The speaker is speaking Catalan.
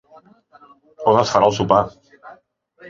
On es farà el sopar?